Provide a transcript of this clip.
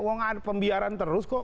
wah ada pembiaran terus kok